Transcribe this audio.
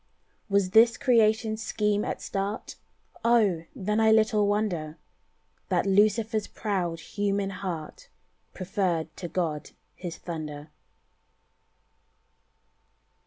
Was this Creation's scheme at start? Oh! then I little wonder That Lucifer's proud human heart Preferred to God His thunder.